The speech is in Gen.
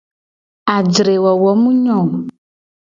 Ajre wowo mu nyo o.